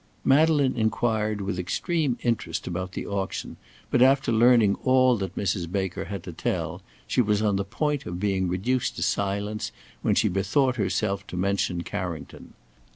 Madeleine inquired with extreme interest about the auction, but after learning all that Mrs. Baker had to tell, she was on the point of being reduced to silence, when she bethought herself to mention Carrington.